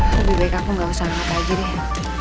lebih baik aku gak usah nangkat lagi deh